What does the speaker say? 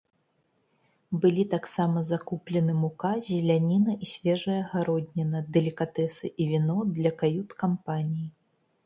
Былі таксама закуплены мука, зеляніна і свежая гародніна, далікатэсы і віно для кают-кампаніі.